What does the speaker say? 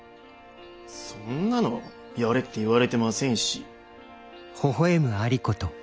そんなのやれって言われてませんし。